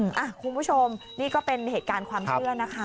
คุณผู้ชมนี่ก็เป็นเหตุการณ์ความเชื่อนะคะ